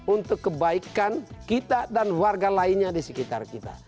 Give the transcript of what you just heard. untuk kebaikan kita dan warga lainnya di sekitar kita